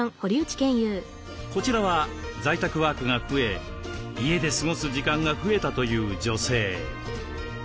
こちらは在宅ワークが増え家で過ごす時間が増えたという女性。